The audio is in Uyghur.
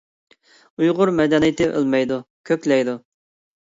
ئۇيغۇر مەدەنىيىتى ئۆلمەيدۇ، كۆكلەيدۇ!